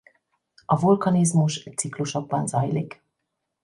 A vulkanizmus ciklusokban zajlik.